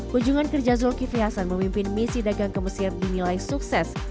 kunjungan kerja zulkifli hasan memimpin misi dagang ke mesir dinilai sukses